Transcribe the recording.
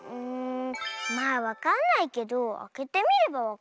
まあわかんないけどあけてみればわかるかなあ。